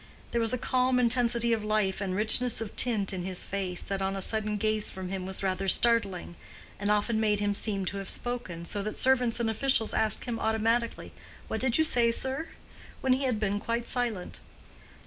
There was a calm intensity of life and richness of tint in his face that on a sudden gaze from him was rather startling, and often made him seem to have spoken, so that servants and officials asked him automatically, "What did you say, sir?" when he had been quite silent.